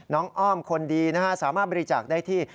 น้องอ้อมคนดีสามารถบริจักษ์ได้ที่